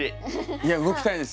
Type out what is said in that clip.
いや動きたいです。